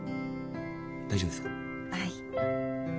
はい。